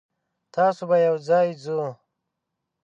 تاسو به یوځای ځو.